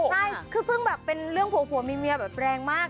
ใช่คือซึ่งแบบเป็นเรื่องผัวเมียแบบแรงมาก